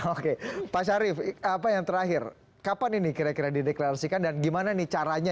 oke pak syarif apa yang terakhir kapan ini kira kira dideklarasikan dan gimana nih caranya